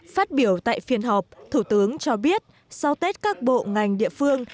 phát biểu tại phiên họp thủ tướng cho biết sau tết các bộ ngành địa phương